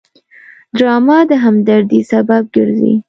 ډرامه د همدردۍ سبب ګرځي